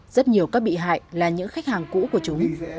rất nhiều các bị hại là những khách hàng cũ của chúng